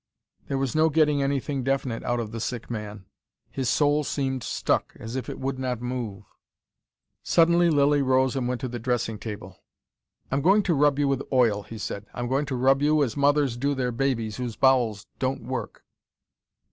There was no getting anything definite out of the sick man his soul seemed stuck, as if it would not move. Suddenly Lilly rose and went to the dressing table. "I'm going to rub you with oil," he said. "I'm going to rub you as mothers do their babies whose bowels don't work."